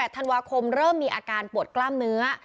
ธันวาคมเริ่มมีอาการปวดกล้ามเนื้อ